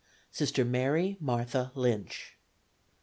Sister Mary Martha Lynch.